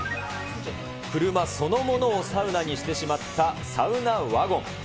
車そのものをサウナにしてしまったサウナワゴン。